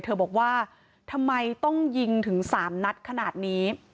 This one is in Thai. เธอบอกว่าทำไมต้องยิงถึง๓นัดขนาดนี้